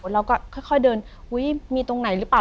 เราก็ค่อยเดินอุ๊ยมีตรงไหนหรือเปล่า